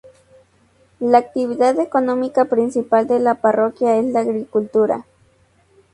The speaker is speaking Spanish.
La actividad económica principal de la parroquia es la agricultura.